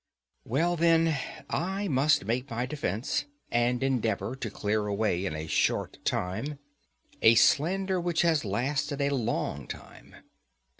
Well, then, I must make my defence, and endeavour to clear away in a short time, a slander which has lasted a long time.